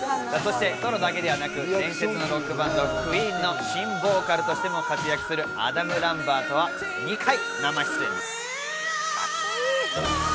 そしてソロだけではなく、伝説のロックバンド・ＱＵＥＥＮの新ボーカルとしても活躍するアダム・ランバートは、２回、生出演です。